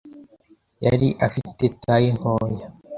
yari afite taye ntoya,